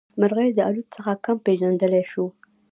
مرغۍ د الوت څخه هم پېژندلی شو.